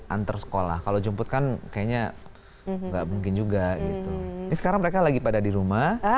antar sekolah kalau jumput kan kayaknya nggak mungkin juga sekarang mereka lagi pada di rumah